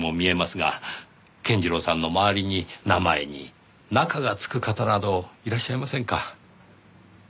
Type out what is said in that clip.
健次郎さんの周りに名前に「中」がつく方などいらっしゃいませんか？